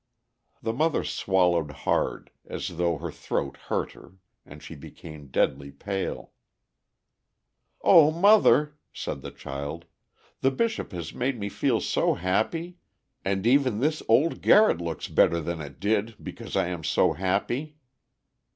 The mother swallowed hard, as though her throat hurt her, and she became deadly pale. "Oh, mother!" said the child, "the Bishop has made me feel so happy—and even this old garret looks better than it did, because I am so happy."